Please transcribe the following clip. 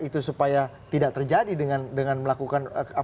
itu supaya tidak terjadi dengan melakukan